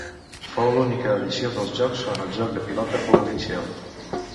Fou l'única edició dels Jocs on el joc de pilota fou oficial.